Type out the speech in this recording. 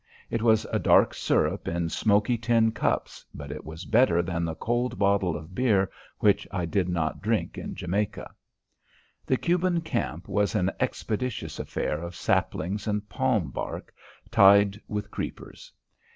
It was a dark syrup in smoky tin cups, but it was better than the cold bottle of beer which I did not drink in Jamaica. The Cuban camp was an expeditious affair of saplings and palm bark tied with creepers.